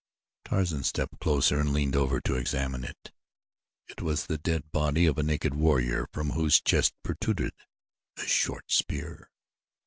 Tarzan stepped closer and leaned over to examine it it was the dead body of a naked warrior from whose chest protruded a short spear.